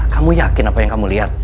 kamu yakin apa yang kamu lihat